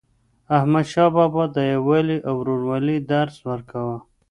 احمدشاه بابا د یووالي او ورورولۍ درس ورکاوه.